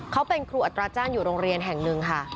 เขาเป็นครูอัตราจ้างอยู่โรงเรียนแห่งหนึ่งค่ะ